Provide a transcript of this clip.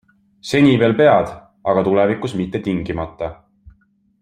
Seni veel pead, aga tulevikus mitte tingimata.